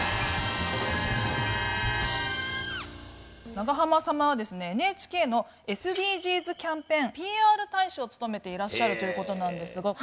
長濱様はですねＮＨＫのＳＤＧｓキャンペーンＰＲ大使を務めていらっしゃるということなんですが。